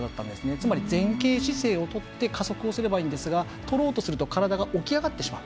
つまり、前傾姿勢をとって加速すればいいんですがとろうとすると体が起き上がってしまう。